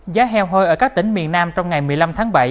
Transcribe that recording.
giá heo hơi ở các tỉnh miền nam trong ngày một mươi năm tháng bảy